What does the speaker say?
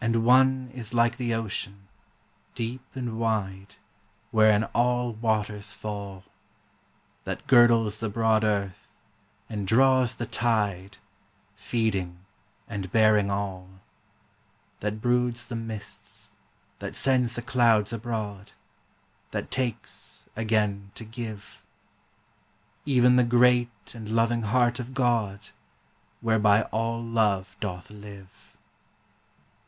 And One is like the ocean, deep and wide, Wherein all waters fall; That girdles the broad earth, and draws the tide, Feeding and bearing all; That broods the mists, that sends the clouds abroad, That takes, again to give; Even the great and loving heart of God. Whereby all love doth live.